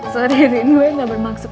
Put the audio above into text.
sorry rindu gue gak bermaksud